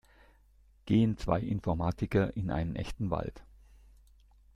Gehen zwei Informatiker in einen echten Wald.